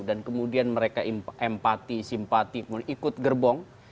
dan kemudian mereka empati simpati ikut gerbong